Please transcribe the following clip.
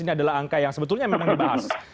ini adalah angka yang sebetulnya memang dibahas